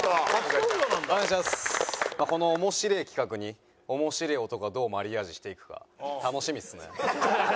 この面白え企画に面白え男がどうマリアージュしていくか楽しみっすね。